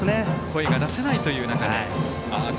声が出せないという中で。